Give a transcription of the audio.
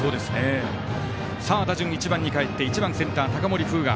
打順１番にかえって１番センター高森風我。